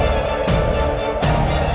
aku akan menikah denganmu